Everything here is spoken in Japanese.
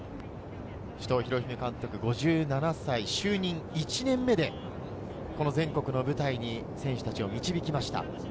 首藤啓文監督、就任１年目で全国の舞台に選手たちを導きました。